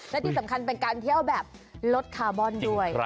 และที่สำคัญเป็นการเที่ยวแบบลดคาร์บอนด้วย